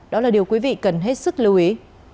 đó là điều quý vị cần hết sức lưu ý